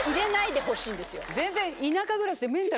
全然。